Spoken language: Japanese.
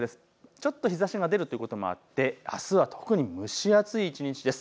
ちょっと日ざしが出るということもあってあすは特に蒸し暑い一日です。